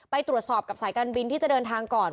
ไปตรวจสอบกับสายการบินที่จะเดินทางก่อน